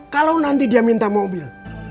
kalau nanti dia minta mobil